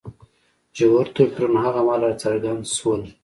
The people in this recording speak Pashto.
ژور توپیرونه هغه مهال راڅرګند شول.